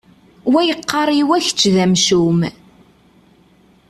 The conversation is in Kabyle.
Wa yeqqar i wa kečč d amcum.